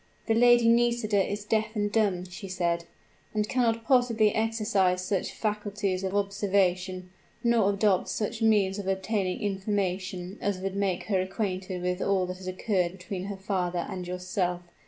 "'The Lady Nisida is deaf and dumb,' she said, 'and cannot possibly exercise such faculties of observation, nor adopt such means of obtaining information as would make her acquainted with all that has occurred between her father and yourself.